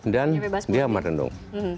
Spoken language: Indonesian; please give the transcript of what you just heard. dan dia merenung